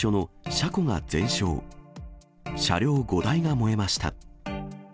車両５台が燃えました。